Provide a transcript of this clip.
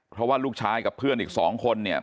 เพราะว่าลูกชายกับเพื่อนอีกสองคนเนี่ย